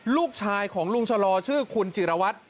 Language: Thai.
ลูกชายของลุงชะลอชื่อคุณจิรวัตร